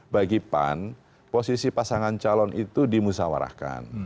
bagi pan posisi pasangan calon itu dimusawarahkan